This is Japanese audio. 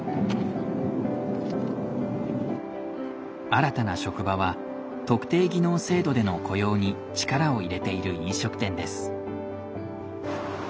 新たな職場は特定技能制度での雇用に力を入れている飲食店です。